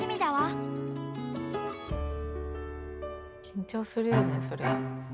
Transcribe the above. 緊張するよねそれは。